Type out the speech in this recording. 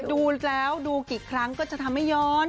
ดูแล้วดูกี่ครั้งก็จะทำให้ย้อน